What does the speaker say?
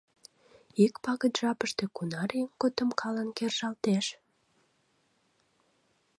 Ик пагыт жапыште кунар еҥ котомкалан кержалтеш?